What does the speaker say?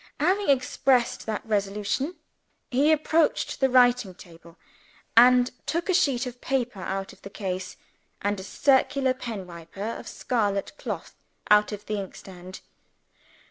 _" Having expressed that resolution, he approached the writing table, and took a sheet of paper out of the case, and a circular pen wiper of scarlet cloth out of the inkstand.